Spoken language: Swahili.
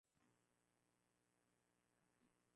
Baba amesema asante.